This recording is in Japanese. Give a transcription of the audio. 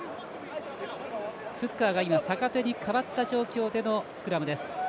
フッカーが坂手に代わった状況でのスクラム。